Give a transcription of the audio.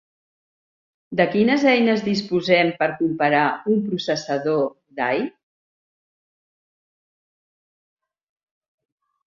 De quines eines disposem per comparar un processador d'A-I?